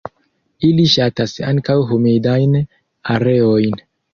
Ili ŝatas ankaŭ humidajn areojn.